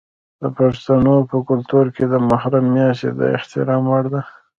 د پښتنو په کلتور کې د محرم میاشت د احترام وړ ده.